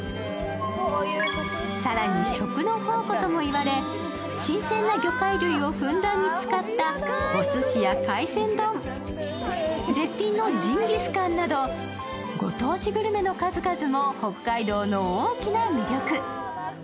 更に食の宝庫ともいわれ新鮮な魚介類をふんだんに使ったおすしや海鮮丼、絶品のジンギスカンなどご当地グルメの数々も北海道の大きな魅力。